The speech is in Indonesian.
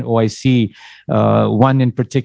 tubuh di dalam oic